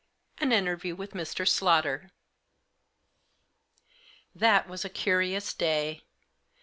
AN INTERVIEW WITH MR. SLAUGHTER. That was a curious day.